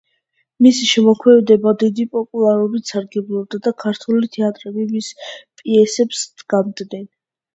მისი შემოქმედება დიდი პოპულარობით სარგებლობდა და ქართული თეატრები მის პიესებს დგამდნენ.